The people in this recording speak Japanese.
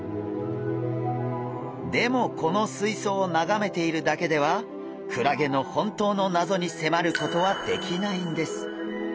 でもこのすいそうをながめているだけではクラゲの本当の謎にせまることはできないんです。